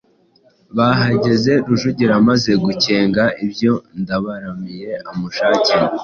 Bahageze Rujugira amaze gukenga ibyo Ndabaramiye amushakira;